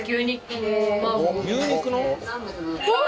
牛肉の？